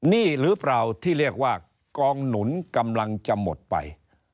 นี่หรือเปล่าที่เรียกว่ากองหนุนกำลังจะหมดไป